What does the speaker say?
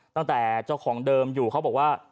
ตั้งแต่เจ้าของเดิมอยู่เขาบอกว่า